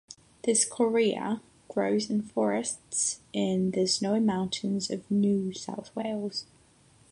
This correa grows in forest in the Snowy Mountains of New South Wales.